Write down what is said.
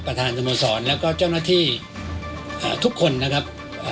ประธานสมศรแล้วก็เจ้าหน้าที่ทุกคนนะครับ